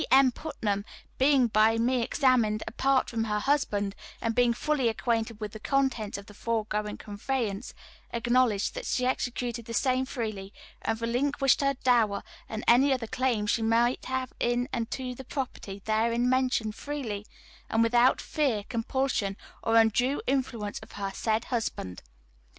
M. Putnam being by me examined apart from her husband, and being fully acquainted with the contents of the foregoing conveyance, acknowledged that she executed the same freely, and relinquished her dower, and any other claim she might have in and to the property therein mentioned, freely, and without fear, compulsion, or undue influence of her said husband.